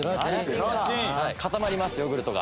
固まりますヨーグルトが。